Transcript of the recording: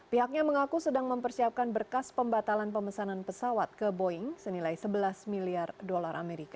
pihaknya mengaku sedang mempersiapkan berkas pembatalan pemesanan pesawat ke boeing senilai sebelas miliar dolar amerika